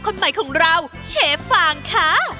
คนใหม่ของเราเชฟฟางค่ะ